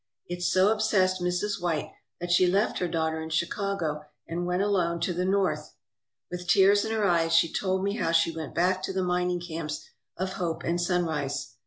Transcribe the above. It so obsessed Mrs. White that she left her daughter in Chicago and went alone to the North. With tears in her eyes, she told me how she went back to the mining camps of Hope and Sunrise.